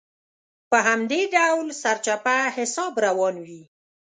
په همدې ډول سرچپه حساب روان وي.